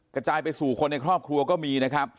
กระจายไปสู่คนในครอบครัวก็มีนะครับ